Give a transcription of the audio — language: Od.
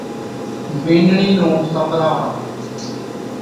بِينڏڙِي نُون سنبراوَڻ